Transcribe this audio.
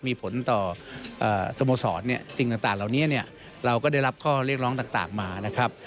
มีผลต่อสโมสรสิ่งต่างเหล่านี้เนี่ยเราก็ได้รับข้อเรียกร้องต่างมานะครับ